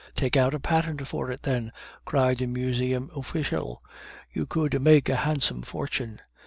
"Take out a patent for it, then," cried the Museum official; "you would make a handsome fortune."